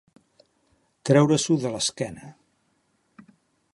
Treure-s'ho de l'esquena.